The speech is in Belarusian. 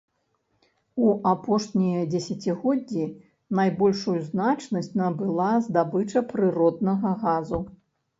У апошнія дзесяцігоддзі найбольшую значнасць набыла здабыча прыроднага газу.